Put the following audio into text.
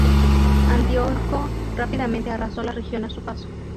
Antíoco rápidamente arrasó la región a su paso.